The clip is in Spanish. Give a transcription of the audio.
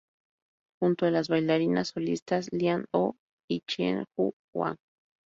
Junto a las bailarinas solistas Lian Ho y Chien-Ju Wang.